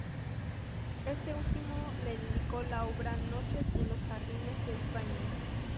Este último le dedicó la obra "Noches en los jardines de España".